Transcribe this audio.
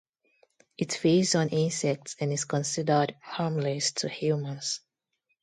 It feeds on insects and is considered harmless to humans.